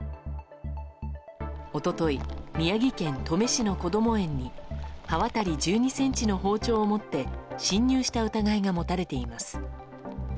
一昨日宮城県登米市のこども園に刃渡り１２ｃｍの包丁を持って侵入した疑いが持たれています。